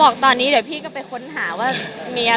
ก็ดีนะคะสนุกดีค่ะ